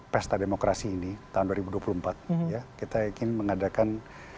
pesta demokrasi ini tahun dua ribu dua puluh empat ya kita ingin mengadakan